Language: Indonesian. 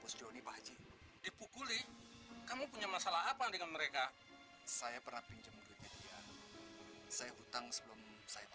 sampai jumpa di video selanjutnya